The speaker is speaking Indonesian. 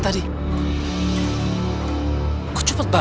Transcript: terima kasih banyak